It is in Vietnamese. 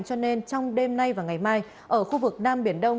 cho nên trong đêm nay và ngày mai ở khu vực nam biển đông